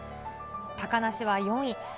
高梨は４位。